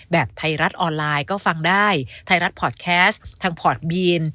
ไทยรัฐออนไลน์ก็ฟังได้ไทยรัฐพอร์ตแคสต์ทางพอร์ตบีน